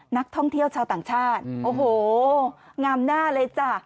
นักท่องเที่ยวชาวต่างชาติโอ้โหงามหน้าเลยจ้ะ